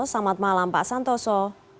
selamat malam pak santoso